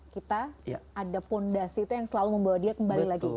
kita ada fondasi itu yang selalu membawa dia kembali lagi